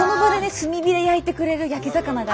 炭火で焼いてくれる焼き魚があったり。